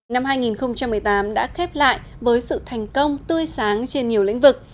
năm hai nghìn một mươi tám đã khép lại với sự thành công tươi sáng trên nhiều lĩnh vực